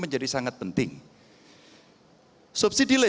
jadi saya mau bicara tentang hal hal yang terjadi di negara ini